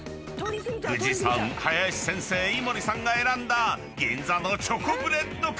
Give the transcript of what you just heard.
［藤さん林先生井森さんが選んだ銀座のチョコブレッドか］